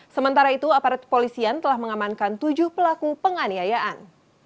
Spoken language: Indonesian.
sementara itu aparat kepolisian telah mengamankan tujuh pelaku penganiayaan